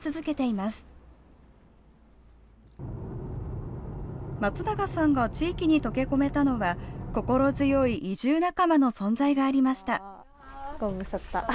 まつながさんが地域に溶け込めたのは、心強い移住仲間の存在がありました。